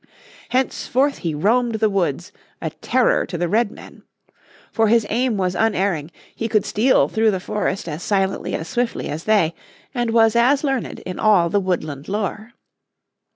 Henceforth he roamed the woods a terror to the Redmen. For his aim was unerring, he could steal through the forest as silently and swiftly as they, and was as learned in all the woodland lore.